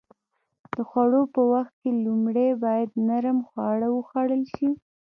د خوړو په وخت کې لومړی باید نرم خواړه وخوړل شي.